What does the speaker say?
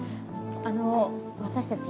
あの私たち